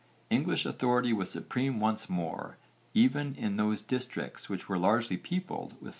English authority was supreme once more even in those districts which were largely peopled with Scandinavian settlers.